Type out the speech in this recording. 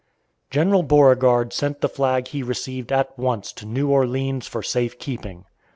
General Beauregard sent the flag he received at once to New Orleans for safe keeping.